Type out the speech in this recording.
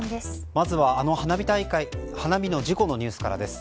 まずは、あの花火の事故のニュースからです。